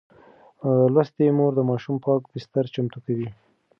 لوستې مور د ماشوم پاک بستر چمتو کوي.